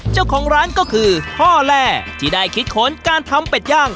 เจ้าของร้านก็คือพ่อแร่ที่ได้คิดค้นการทำเป็ดย่าง